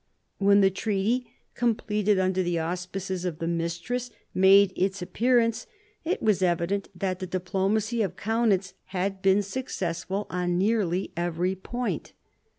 When the treaty, completed under the auspices of the mistress, made its appearance, it was evident that the diplomacy of Kaunitz had been successful on nearly every point.